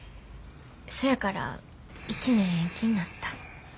そやから１年延期になった。